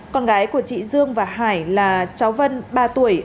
con gái của chị dương và hải là cháu vân ba tuổi